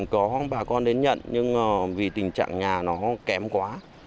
có bà con đến nhận nhưng vì tình trạng nhà nó kém quá